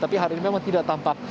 tapi hari ini memang tidak tampak